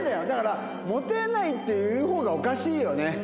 だからモテないっていう方がおかしいよね。